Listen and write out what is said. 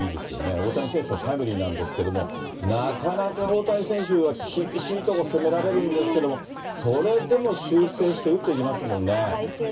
大谷選手のタイムリーなんですけども、なかなか大谷選手は厳しい所攻められるんですけれども、それでも修正して打っていきますもんね。